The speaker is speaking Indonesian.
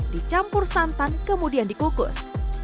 dicampur santan kemudian dikukus